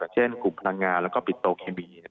อย่างเช่นกลุ่มพนักงานและก็ปิดโตเคมี